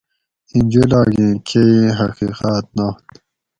ایں جولاگ ایں کئی حقیقاۤت نات